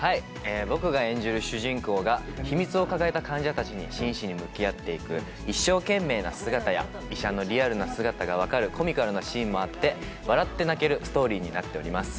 僕が演じる主人公が、秘密を抱えた患者たちに真摯に向き合っていく一生懸命な姿や、医者のリアルな姿が分かるコミカルなシーンもあって、笑って泣けるストーリーになっています。